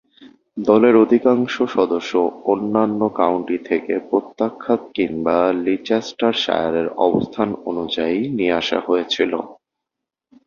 দলের অধিকাংশ সদস্য অন্যান্য কাউন্টি থেকে প্রত্যাখ্যাত কিংবা লিচেস্টারশায়ারের অবস্থান অনুযায়ী নিয়ে আসা হয়েছিল।